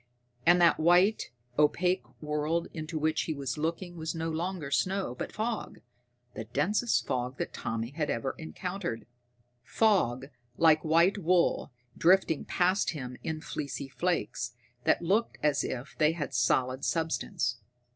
And that white, opaque world into which he was looking was no longer snow but fog the densest fog that Tommy had ever encountered. Fog like white wool, drifting past him in fleecy flakes that looked as if they had solid substance.